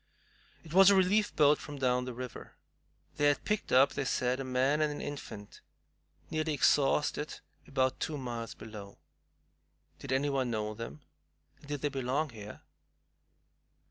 It was a relief boat from down the river. They had picked up, they said, a man and an infant, nearly exhausted, about two miles below. Did anybody know them, and did they belong here?